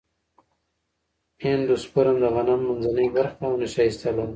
اندوسپرم د غنم منځنۍ برخه ده او نشایسته لري.